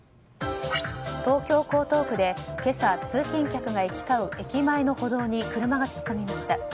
東京・江東区で今朝通勤客が行き交う駅前の歩道に車が突っ込みました。